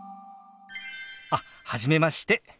あっ初めまして。